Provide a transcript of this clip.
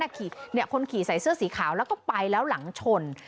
คนขี่ใส่เสื้อสีขาวแล้วก็ไปแล้วหลังชน